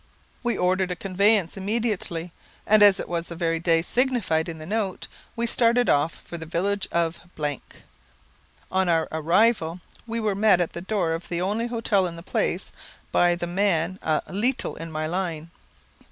We ordered a conveyance immediately, and as it was the very day signified in the note, we started off for the village of . On our arrival we were met at the door of the only hotel in the place, by the man a "leetle in my line."